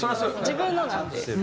自分のなんで。